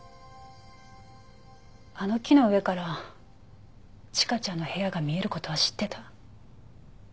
あの木の上から千佳ちゃんの部屋が見える事は知ってた。